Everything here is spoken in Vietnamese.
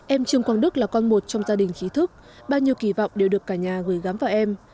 em trương quang đức là con một trong gia đình trí thức bao nhiêu kỳ vọng đều được cả nhà gửi gắm vào em